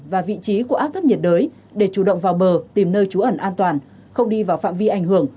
và vị trí của áp thấp nhiệt đới để chủ động vào bờ tìm nơi trú ẩn an toàn không đi vào phạm vi ảnh hưởng